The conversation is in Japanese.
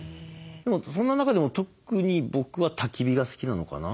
でもそんな中でも特に僕はたき火が好きなのかな。